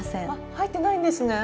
入ってないんですね。